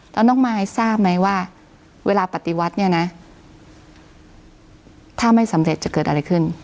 แล้วน้องมายทราบไหมว่าเวลาปฏิวัติเนี่ยนะถ้าไม่สำเร็จจะเกิดอะไรขึ้น